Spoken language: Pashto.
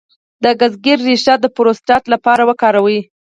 د ګزګیرې ریښه د پروستات لپاره وکاروئ